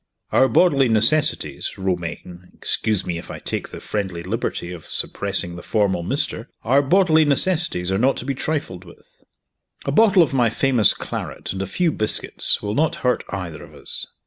Our bodily necessities, Romayne (excuse me if I take the friendly liberty of suppressing the formal 'Mr.') our bodily necessities are not to be trifled with. A bottle of my famous claret, and a few biscuits, will not hurt either of us."